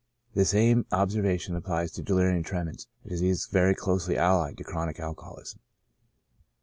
The same observation applies to delirium tremens, a disease very closely allied to chronic alcoholism.